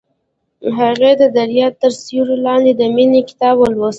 هغې د دریا تر سیوري لاندې د مینې کتاب ولوست.